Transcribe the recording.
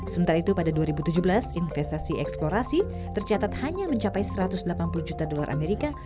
sementara itu pada dua ribu tujuh belas investasi eksplorasi tercatat hanya mencapai satu ratus delapan puluh juta dolar amerika